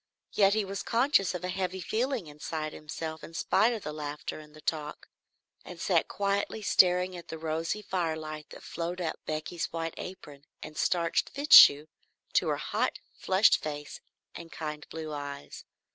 Yet he was conscious of a heavy feeling inside himself in spite of the laughter and the talk, and sat quietly staring at the rosy firelight that flowed up Becky's white apron and starched fichu to her hot, flushed face and kind blue eyes.